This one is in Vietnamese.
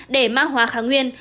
để mạng hóa kháng nguyên